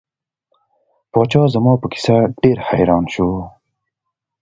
پاچا زما په کیسه ډیر حیران شو.